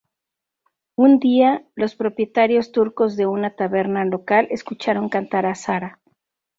Un día, los propietarios turcos de una taberna local escucharon cantar a Sarah.